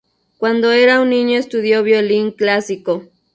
Cuando era un niño estudió violín clásico.